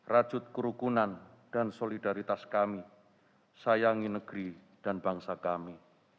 rajut kerukunan dan solidaritas kami sayangi negeri dan bangsa kami